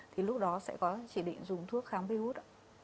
thì lúc đó sẽ có chỉ định dùng thuốc kháng viếu hút